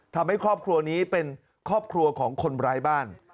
ทำให้ครอบครัวนี้เป็นครอบครัวของคนร้ายบ้าน